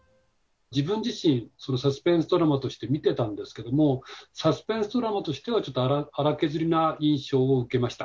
自分自身サスペンスドラマとして見てたんですけどもサスペンスドラマとしてはちょっと粗削りな印象を受けました。